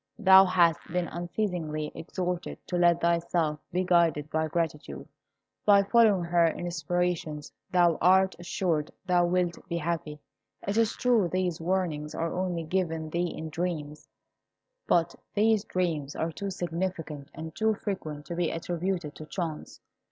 "Thou hast been unceasingly exhorted to let thyself be guided by gratitude. By following her inspirations thou art assured thou wilt be happy. It is true these warnings are only given thee in dreams; but these dreams are too significant and too frequent to be attributed to chance.